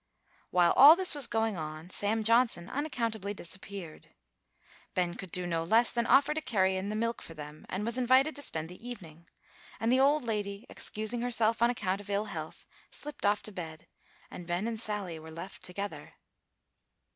While all this was going on, Sam Johnson unaccountably disappeared. Ben could do no less than offer to carry in the milk for them; was invited to spend the evening; and the old lady, excusing herself on account of ill health, slipped off to bed, and Ben and Sally were left together.